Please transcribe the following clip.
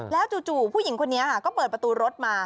แล้วจู่ผู้หญิงคนนี้ก็เปิดประตูรถมา